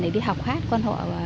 để đi học hát con họ